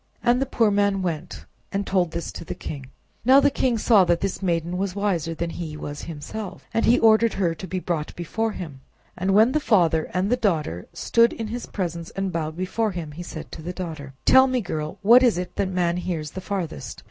And the poor man went and told this to the king. Now the king saw that this maiden was wiser that he was himself, and he ordered her to be brought before him. And when the father and daughter stood in his presence and bowed before him, he said to the daughter— "Tell me, girl, what is it that man hears the farthest?"